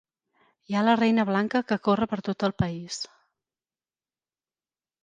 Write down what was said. Hi ha la Reina Blanca que corre per tot el país!